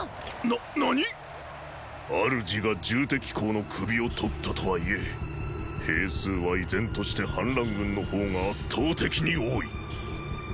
な何っ⁉主が戎公の首を取ったとはいえ兵数は依然として反乱軍の方が圧倒的に多い。